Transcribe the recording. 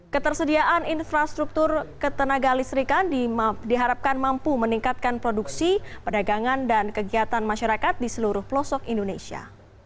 ketersediaan infrastruktur ketenaga listrikan diharapkan mampu meningkatkan produksi perdagangan dan kegiatan masyarakat di seluruh pelosok indonesia